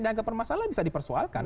ini agak bermasalah bisa dipersoalkan